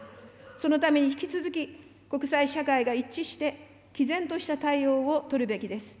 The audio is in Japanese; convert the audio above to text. そのために引き続き、国際社会が一致してきぜんとした対応を取るべきです。